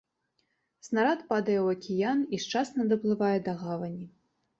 Снарад падае ў акіян і шчасна даплывае да гавані.